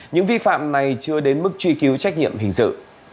những vi phạm này chưa đến mức truy cứu trách nhiệm hình sự